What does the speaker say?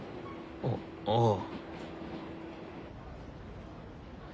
あああ。